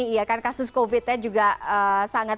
yang juga sudah sangat